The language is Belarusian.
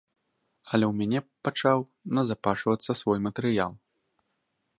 Але ў мяне пачаў назапашвацца свой матэрыял.